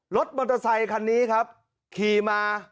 รถมอเตอร์ไซคันนี้ครับขี่มา